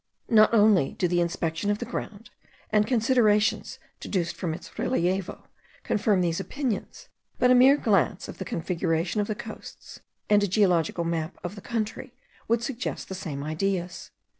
Not only do the inspection of the ground, and considerations deduced from its relievo, confirm these opinions; but a mere glance of the configuration of the coasts, and a geological map of the country, would suggest the same ideas.